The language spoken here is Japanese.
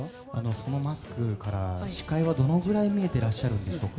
そのマスクから視界はどのぐらい見えてらっしゃるんですか？